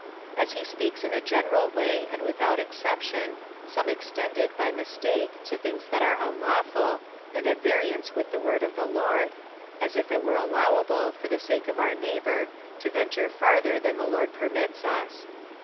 As he speaks in a general wa}"^, and without exception, some extend it by mistake to things that are unlawful, and at variance with the word of the Lord — as if it were allowable, for the sake of our neighbour, to venture farther than the Lord permits us.